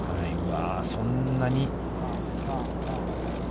そんなに。